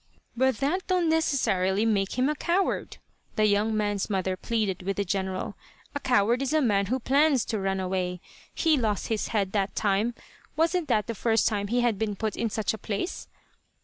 "But that don't necessarily make him a coward," the young man's mother pleaded with the General. "A coward is a man who plans to run away. He lost his head that time. Wasn't that the first time he had been put in such a place?"